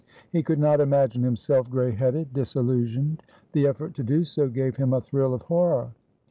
He could not imagine himself grey headed, disillusioned; the effort to do so gave him a thrill of horror.